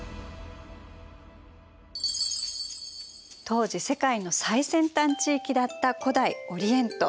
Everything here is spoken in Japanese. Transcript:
当時世界の最先端地域だった古代オリエント。